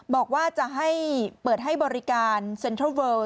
บอกว่าจะให้เปิดให้บริการเซ็นทรัลเวิล